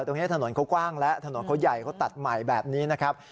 ตรงนี้ถนนเขากว้างแล้วถนนเขาใหญ่เขาตัดใหม่แบบนี้นะครับ